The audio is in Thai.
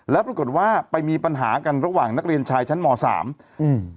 แล้วปรากฏว่าไปมีปัญหากันระหว่างนักเรียนชายชั้นมสามอืม